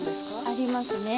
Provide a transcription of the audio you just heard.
ありますね。